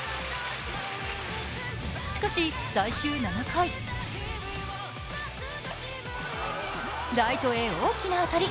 しかし最終７回ライトへ大きな当たり。